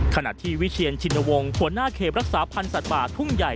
ขณะที่วิเชียนชินวงศ์หัวหน้าเขตรักษาพันธ์สัตว์ป่าทุ่งใหญ่